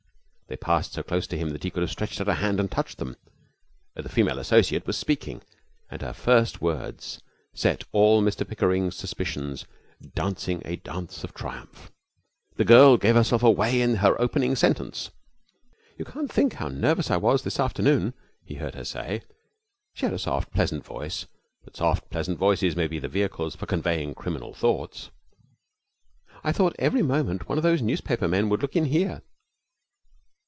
They passed so close to him that he could have stretched out a hand and touched them. The female associate was speaking, and her first words set all Mr Pickering's suspicions dancing a dance of triumph. The girl gave herself away with her opening sentence. 'You can't think how nervous I was this afternoon,' he heard her say. She had a soft pleasant voice; but soft, pleasant voices may be the vehicles for conveying criminal thoughts. 'I thought every moment one of those newspaper men would look in here.'